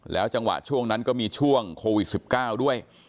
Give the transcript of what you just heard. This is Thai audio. จังหวะช่วงนั้นก็มีช่วงโควิด๑๙ด้วย